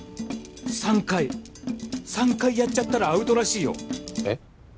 ３回３回やっちゃったらアウトらしいよえっ？